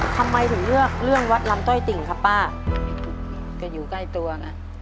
ทำไมถึงเลือกเรื่องวัดลำต้อยติ่งครับป้าก็อยู่ใกล้ตัวไง